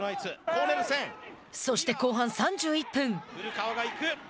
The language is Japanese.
そして、後半３１分。